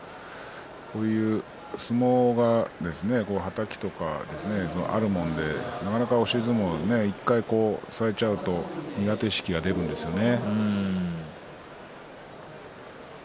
相撲が、はたきとかあるのでなかなか押し相撲は１回されちゃうと苦手意識が出るものなんですね。